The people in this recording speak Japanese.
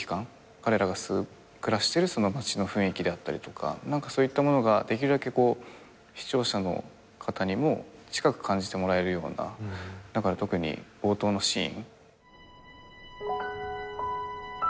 彼らが吸う暮らしてるその町の雰囲気であったりとか何かそういったものができるだけ視聴者の方にも近く感じてもらえるようなだから特に冒頭のシーン。